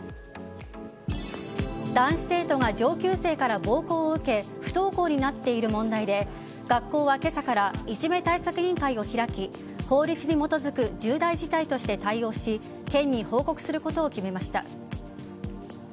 男子生徒が上級生から暴行を受け不登校になっている問題で学校は今朝からいじめ対策委員会を開き法律に基づく重大事態として対応し県に報告することを決めました。